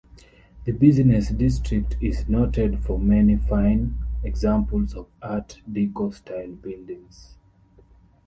The business district is noted for many fine examples of Art Deco style buildings.